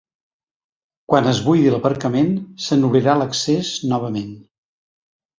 Quan es buidi l’aparcament, se n’obrirà l’accés novament.